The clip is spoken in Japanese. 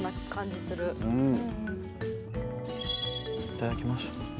いただきます。